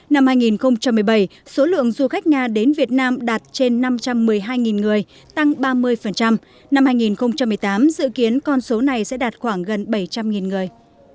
năm hai nghìn một mươi bảy số lượng du khách nga đến việt nam đạt trên năm trăm một mươi hai người tăng ba mươi năm hai nghìn một mươi tám dự kiến con số này sẽ đạt khoảng gần bảy trăm linh người